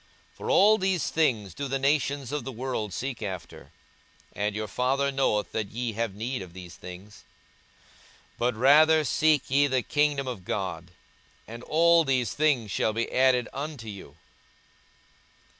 42:012:030 For all these things do the nations of the world seek after: and your Father knoweth that ye have need of these things. 42:012:031 But rather seek ye the kingdom of God; and all these things shall be added unto you.